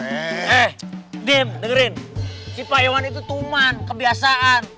eh diam dengerin si pak iwan itu tuman kebiasaan